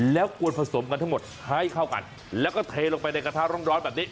แล้วควรผสมกันทั้งหมดให้เข้ากันแล้วก็เทลงไปในกระทะร้อนแบบนี้